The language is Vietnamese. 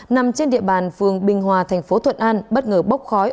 nằm trên địa bàn phường bình hòa thành phố thuận an bất ngờ bốc khói